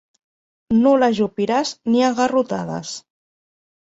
No l'ajupiràs ni a garrotades.